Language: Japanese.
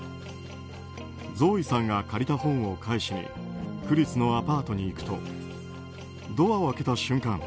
ゾーイさんが借りた本を返しにクリスのアパートに行くとドアを開けた瞬間